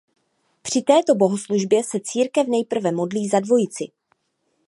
Při této bohoslužbě se církev nejprve modlí za dvojici.